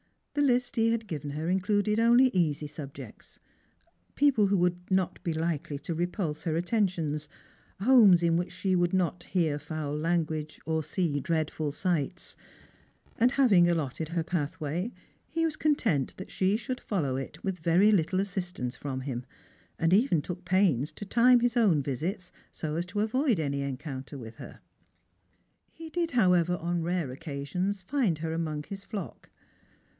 The list he had trlven her included only easy subjects — jseople who would not be likely to repulse her attentions, homes in which she would not iiear foul language or see dreadful sights— and having allotted her path way, he was content that she should follow it with very little assistance from him, and even took pains to time his own visits, so as to avoid any encounter with h«r. 82 Strangers and Pilgrims. He did, however, on rare occasions find her among his flock.